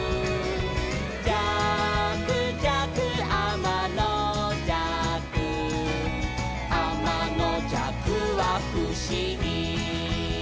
「じゃくじゃくあまのじゃく」「あまのじゃくはふしぎ」